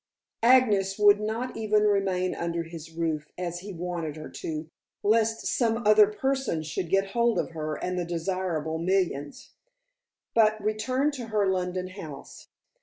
Agnes would not even remain under his roof as he wanted her to, lest some other person should get hold of her and the desirable millions but returned to her London house.